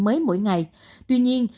mới mỗi ngày tuy nhiên